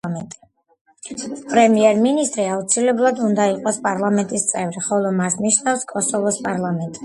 პრემიერ-მინისტრი აუცილებლად უნდა იყოს პარლამენტის წევრი, ხოლო მას ნიშნავს კოსოვოს პარლამენტი.